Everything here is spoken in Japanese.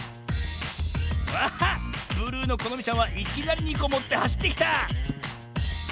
あっブルーのこのみちゃんはいきなり２こもってはしってきた！